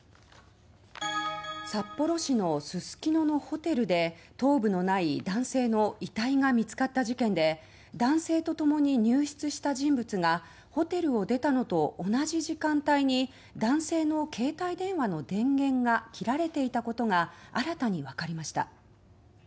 札幌市のすすきののホテルで頭部のない男性の遺体が見つかった事件で男性とともに入室した人物がホテルを出たのと同じ時間帯に男性の携帯電話の電源が切られていたことが新たにわかりました。